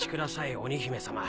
鬼姫様